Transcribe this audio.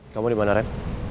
kamu dimana ren